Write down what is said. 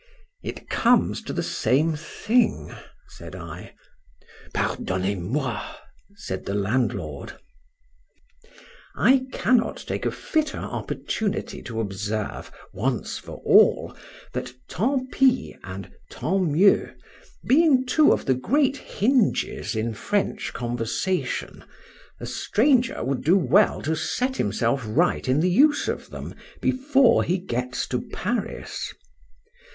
It comes to the same thing, said I. Pardonnez moi, said the landlord. I cannot take a fitter opportunity to observe, once for all, that tant pis and tant mieux, being two of the great hinges in French conversation, a stranger would do well to set himself right in the use of them, before he gets to Paris.